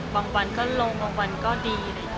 บางวันก็ลงบางวันก็ดี